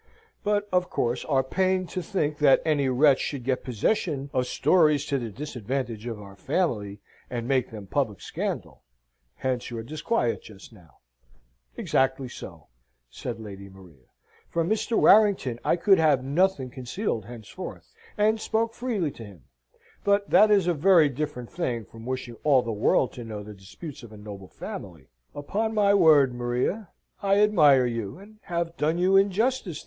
"But, of course, are pained to think that any wretch should get possession of stories to the disadvantage of our family, and make them public scandal. Hence your disquiet just now." "Exactly so," said Lady Maria. "From Mr. Warrington I could have nothing concealed henceforth, and spoke freely to him. But that is a very different thing from wishing all the world to know the disputes of a noble family." "Upon my word, Maria, I admire you, and have done you injustice.